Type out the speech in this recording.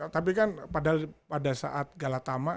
tapi kan pada saat galatama